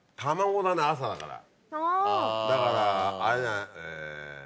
朝だからだからあれじゃない？